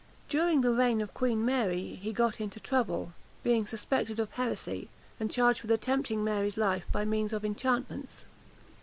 During the reign of Queen Mary he got into trouble, being suspected of heresy, and charged with attempting Mary's life by means of enchantments.